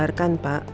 terima kasih pak